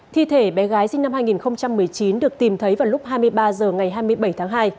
thi thể bé gái sinh năm hai nghìn một mươi chín được tìm thấy vào lúc hai mươi ba h ngày hai mươi bảy tháng hai